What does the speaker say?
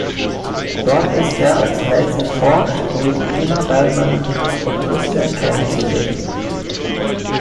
Dort ist er als "Nathan Ford" neben Gina Bellman und Christian Kane zu sehen.